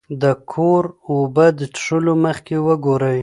د کور اوبه د څښلو مخکې وګورئ.